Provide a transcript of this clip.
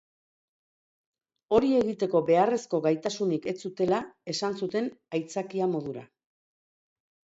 Hori egiteko beharrezko gaitasunik ez zutela esan zuten aitzakia modura.